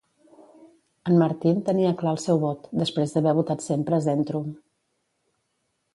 En Martin tenia clar el seu vot, després d'haver votat sempre Zentrum.